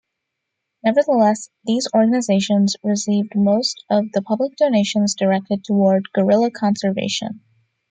Nevertheless, these organizations received most of the public donations directed toward gorilla conservation.